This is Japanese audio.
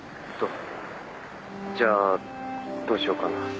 じゃあどうしようかな。